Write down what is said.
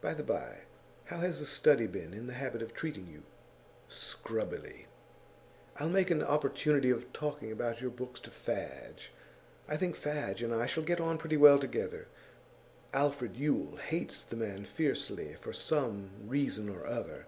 By the bye, how has The Study been in the habit of treating you?' 'Scrubbily.' 'I'll make an opportunity of talking about your books to Fadge. I think Fadge and I shall get on pretty well together. Alfred Yule hates the man fiercely, for some reason or other.